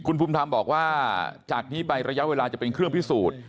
คุณภูมิธรรมบอกว่าจากนี้ไประยะเวลาจะเป็นเครื่องพิสูจน์